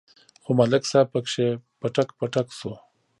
خو ملک صاحب پکې پټک پټک شو.